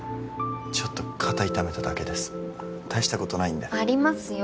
ちょっと肩痛めただけです大したことないんでありますよ